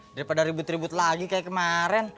daripada ribut ribut lagi kayak kemarin